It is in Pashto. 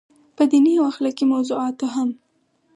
پۀ ديني او اخلاقي موضوعاتو هم